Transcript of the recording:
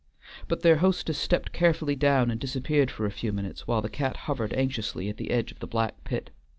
But their hostess stepped carefully down and disappeared for a few minutes, while the cat hovered anxiously at the edge of the black pit.